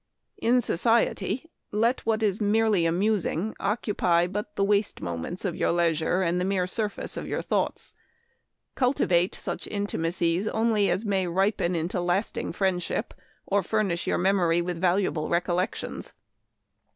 ... In society let what is merely amusing occupy but the waste moments of your leisure and the mere surface of your thoughts ; cultivate such inti macies only as may ripen into lasting friend ship or furnish your memory with valuable recollections.